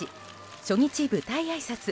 初日舞台あいさつ。